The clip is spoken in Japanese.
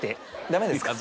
ダメですか？